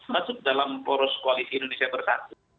masuk dalam poros koalisi indonesia bersatu